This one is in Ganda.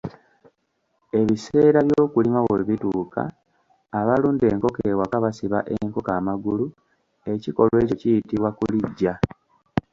"Ebiseera by’okulima bwe bituuka, abalunda enkoko ewaka basiba enkoko amagulu, ekikolwa ekyo kiyitibwa kulijja."